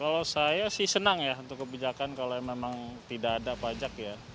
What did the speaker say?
kalau saya sih senang ya untuk kebijakan kalau memang tidak ada pajak ya